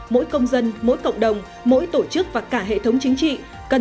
mỗi công dân mỗi cộng đồng mỗi tổ chức và cả hệ thống chính trị